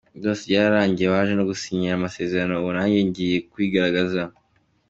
Byose byararangiye, baje hano dusinyana amasezerano ubu nanjye ngiye kwigaragaza.